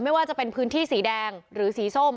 ไม่ว่าจะเป็นพื้นที่สีแดงหรือสีส้ม